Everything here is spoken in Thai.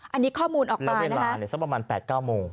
อันนี้ข้อมูลออกมาแล้วเวลาสักประมาณ๘๙โมง